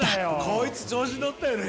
こいつ調子乗ったよね